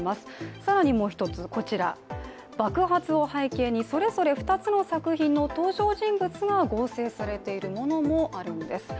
更にもう一つ、こちら、爆発を背景にそれぞれ２つの作品の登場人物が合成されているものもあるんです。